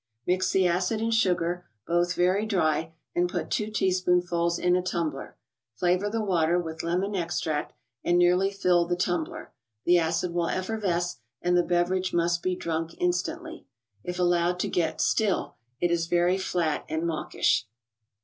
Mix the acid and sugar, both very dry, and put two teaspoonfuls in a tumbler. Flavor the water with lemon extract and nearly fill the tumbler ; the acid will effervesce, and the beverage must be drunk instantly. If allowed to get " still," it is very flat and mawkish.